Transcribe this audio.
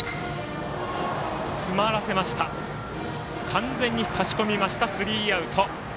完全に差し込みましたスリーアウト。